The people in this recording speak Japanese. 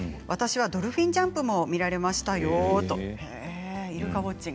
私はドルフィンジャンプも見られましたよ。